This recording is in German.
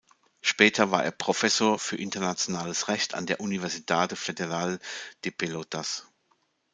Später war er Professor für internationales Recht an der "Universidade Federal de Pelotas".